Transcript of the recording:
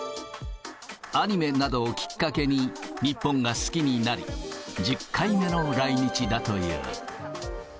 アニメなどをきっかけに、日本が好きになり、１０回目の来日だという。